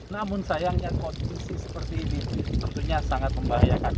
namun sayangnya kondisi seperti ini tentunya sangat membahayakan